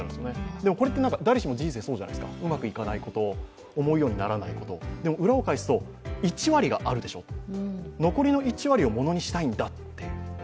でもこれって誰しも人生そうじゃないですかうまくいかないこと、思うようにならないこと、でも、裏を返すと、１割があるでしょう、残りの１割をものにしたいんだって。